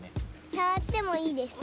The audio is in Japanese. さわってもいいですか？